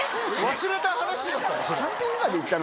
忘れた話だったの？